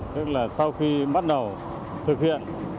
sau khi bắt đầu thực hiện